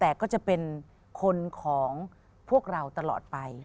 แต่ก็จะเป็นคนของพวกเราตลอดไป